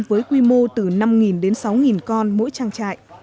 với quy mô từ năm đến sáu con mỗi trang trại